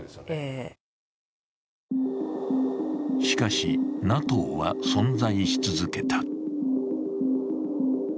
しかし、ＮＡＴＯは存在し続けた。